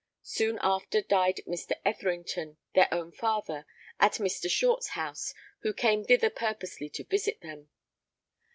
Soon after died Mr. Etherington, their own father, at Mr. Short's house, who came thither purposely to visit them.